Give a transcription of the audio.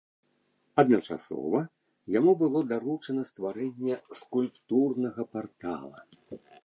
Адначасова яму было даручана стварэнне скульптурнага партала.